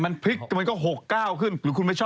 มันก็๖๙ขึ้นหรือคุณไม่ชอบ๖๙